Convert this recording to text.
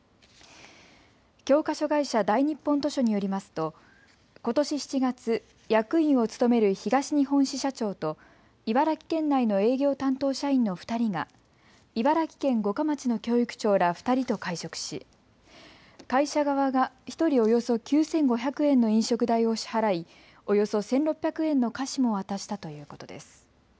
教科書会社、大日本図書によりますと、ことし７月、役員を務める東日本支社長と茨城県内の営業担当社員の２人が茨城県五霞町の教育長ら２人と会食し会社側が１人およそ９５００円の飲食代を支払いおよそ１６００円の菓子も渡したということです。